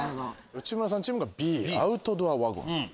内村さんチームがＢアウトドアワゴン。